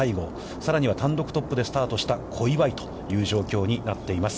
さらには単独トップでスタートした小祝という状況になっています。